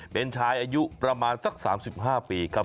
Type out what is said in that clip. เป็นชายอายุประมาณสัก๓๕ปีครับ